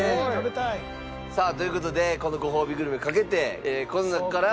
さあという事でこのごほうびグルメを懸けてこの中から。